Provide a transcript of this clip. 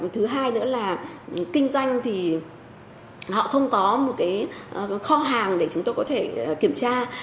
thứ hai nữa là kinh doanh thì họ không có một cái kho hàng để chúng tôi có thể kiểm tra